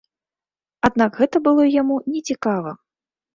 Аднак гэта было яму нецікава.